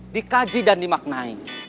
dikaji dan dimaknai